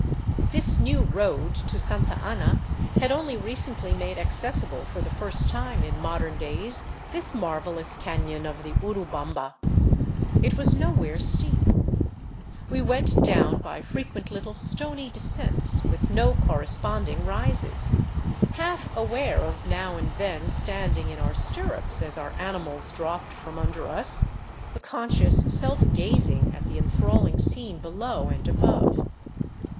This new road to Santa Ana had only recently made accessible for the first time in modern days this marvelous cafion of the Urubamba. It was nowhere steep. We went down by frequent little stony descents, with no corresponding rises, half aware of now and then standing in our stirrups as our animals dropped from under us, the conscious self gazing at the en thralling scene below and above.